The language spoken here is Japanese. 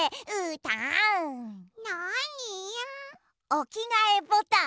おきがえボタン？